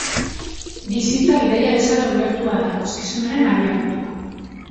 Bizitza bidaia bezala ulertua da ikuskizunaren abiapuntua.